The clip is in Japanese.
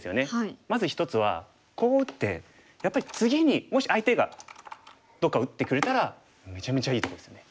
まず一つはこう打ってやっぱり次にもし相手がどっか打ってくれたらめちゃめちゃいいとこですよね。